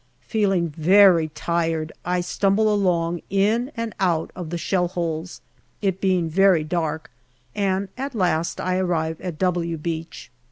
Feeling very tired, I stumble along in and out of the shell holes, it being very dark, and at last I arrive at " W " Beach.